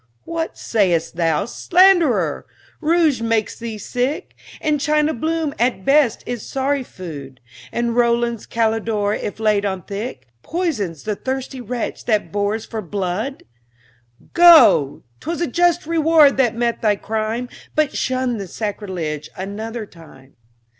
What say'st thou, slanderer! rouge makes thee sick? And China Bloom at best is sorry food? And Rowland's Kalydor, if laid on thick, Poisons the thirsty wretch that bores for blood? Go! 'twas a just reward that met thy crime; But shun the sacrilege another time.